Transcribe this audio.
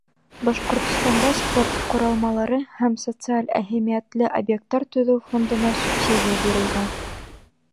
— Башҡортостанда спорт ҡоролмалары һәм социаль әһәмиәтле объекттар төҙөү фондына субсидия биреүгә;